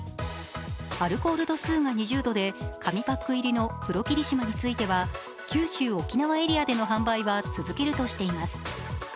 アルコール度数が２０度で紙パック入りの黒霧島については九州・沖縄エリアでの販売は続けるとしています。